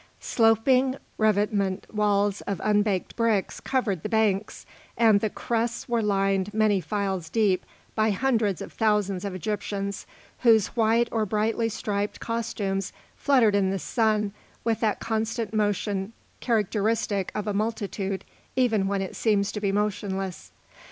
Sloping revetment walls of unbaked bricks covered the banks, and the crests were lined many files deep by hundreds of thousands of Egyptians, whose white or brightly striped costumes fluttered in the sun with that constant motion characteristic of a multitude even when it seems to be motionless.